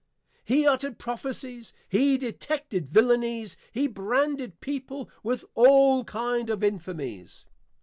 He uttered Prophecies, he detected Villanies, he branded people with all kind of Infamies.